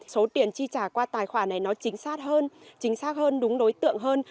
số tiền chi trả qua tài khoản này nó chính xác hơn đúng đối tượng hơn